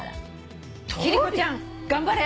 貴理子ちゃん頑張れ！